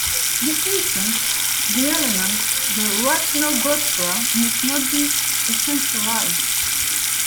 The 'essence', the 'element', the 'ratnagotra' must not be essentialized.